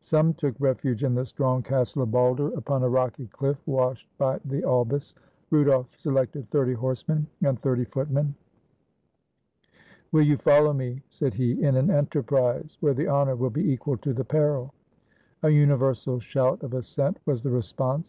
Some took refuge in the strong castle of Balder, upon a rocky cliff washed by the Albis. Rudolf selected thirty horsemen and thirty footmen. 262 RUDOLF THE FIRST BECOMES EMPEROR "will you follow me," said he, "in an enterprise where the honor will be equal to the peril? " A universal shout of assent was the response.